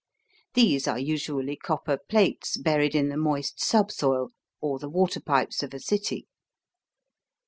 These are usually copper plates buried in the moist subsoil or the water pipes of a city.